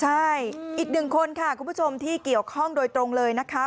ใช่อีกหนึ่งคนค่ะคุณผู้ชมที่เกี่ยวข้องโดยตรงเลยนะคะ